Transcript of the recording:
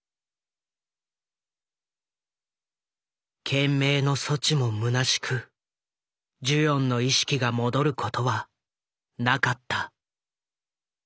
懸命の措置もむなしくジュヨンの意識が戻ることはなかった。